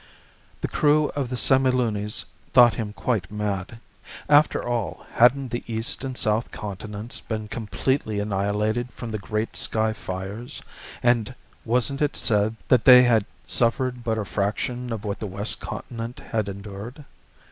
The crew of the Semilunis thought him quite mad. After all, hadn't the east and south continents been completely annihilated from the great sky fires; and wasn't it said that they had suffered but a fraction of what the west continent had endured?